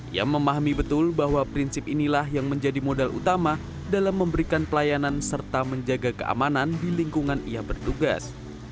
ia memahami betul bahwa prinsip inilah yang menjadi modal utama dalam memberikan pelayanan serta menjaga keamanan di lingkungan ia bertugas